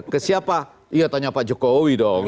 ke siapa iya tanya pak jokowi dong